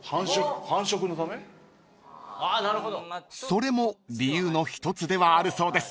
［それも理由の一つではあるそうです］